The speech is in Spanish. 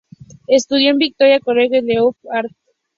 Estudió en el "Victorian College of the Arts".